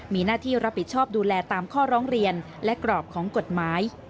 มีหน้าที่รับผิดชอบดูแลตามข้อร้องเรียนและกรอบของกฎหมาย